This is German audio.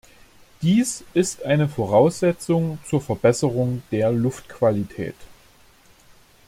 Dies ist eine Voraussetzung zur Verbesserung der Luftqualität.